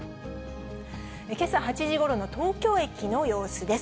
けさ８時ごろの東京駅の様子です。